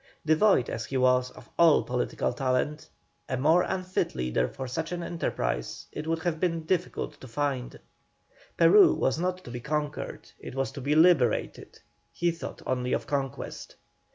Devoid as he was of all political talent, a more unfit leader for such an enterprise it would have been difficult to find. Peru was not to be conquered, it was to be liberated; he thought only of conquest.